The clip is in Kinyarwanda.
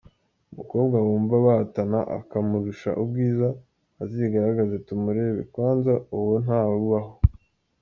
Umukobwa wumva bahatana akamurusha ubwiza azigaragaze tumurebe, kwanza uwo ntawe ubaho.